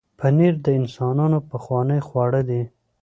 پنېر د انسانانو پخوانی خواړه دی.